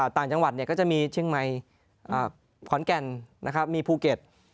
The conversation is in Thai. ต่างจังหวัดก็จะมีเชียงใหม่ขอนแก่นมีภูเก็ต